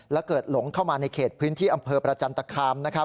และเกิดหลงเข้ามาในเขตพื้นที่อำเภอประจันตคาม